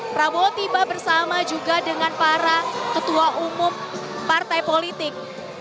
prabowo tiba bersama juga dengan para ketua umum partai politik